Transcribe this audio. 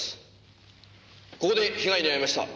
ここで被害に遭いました。